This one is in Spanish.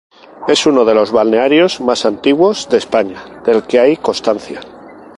Es uno de los balnearios más antiguos de España del que hay constancia.